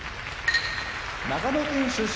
長野県出身